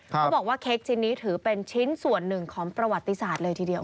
เขาบอกว่าเค้กชิ้นนี้ถือเป็นชิ้นส่วนหนึ่งของประวัติศาสตร์เลยทีเดียว